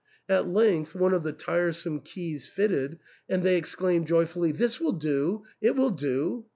At length one of the tiresome keys fitted, and they exclaimed joyfully, " This will do ! it will do